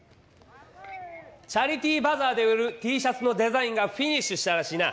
チャリティーバザーで売るＴシャツのデザインがフィニッシュしたらしいな！